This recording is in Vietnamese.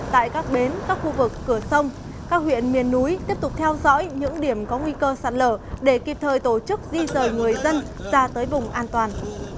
tại các bến các khu vực cửa sông các huyện miền núi tiếp tục theo dõi những điểm có nguy cơ sạt lở để kịp thời tổ chức di rời người dân ra tới vùng an toàn